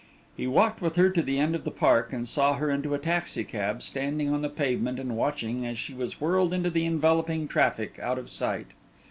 He walked with her to the end of the park, and saw her into a taxicab, standing on the pavement and watching as she was whirled into the enveloping traffic, out of sight.